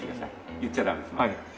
言っちゃダメです。